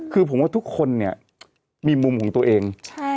คือผมว่าทุกคนเนี่ยมีมุมของตัวเอง